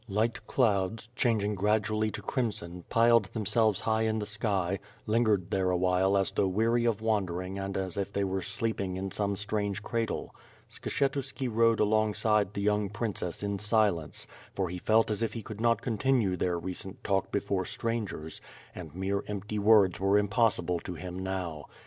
Light clouds, changing gradually to crim son, pile' themselves high in the sky, lingered there awhile as though weary of wandering and as if they were sleeping in some strange cradle. Skshetuski rode alongside the young princess in silence; for he felt as if he could not" con tinue their recent talk before strangers; and mere empty words were impossible to him now.